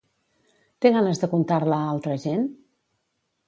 Té ganes de contar-la a altra gent?